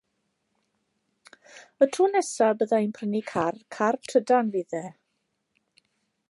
Y tro nesaf y bydda i'n prynu car, car trydan fydd e.